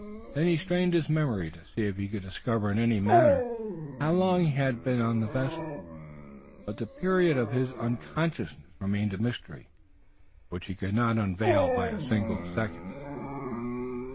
Then he strained his memory to see if he could discover in any manner how long he had been on the vessel, but the period of his unconsciousness remained a mystery, which he could not unveil by a single second.